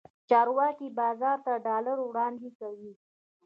چارواکي بازار ته ډالر وړاندې کوي.